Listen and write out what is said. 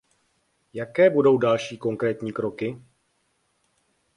Jaké budou další konkrétní kroky?